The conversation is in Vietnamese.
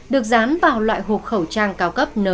được dán vào loại hộp khẩu trang cao cấp n chín mươi năm